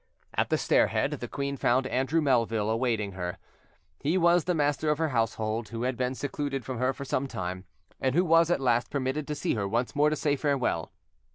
At the stair head, the queen found Andrew Melville awaiting her: he was the Master of her Household, who had been secluded from her for some time, and who was at last permitted to see her once more to say farewell.